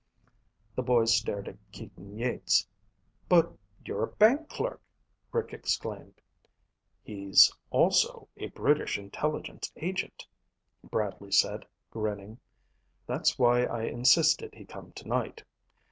The boys stared at Keaton Yeats. "But you're a bank clerk!" Rick exclaimed. "He's also a British intelligence agent," Bradley said, grinning. "That's why I insisted he come tonight.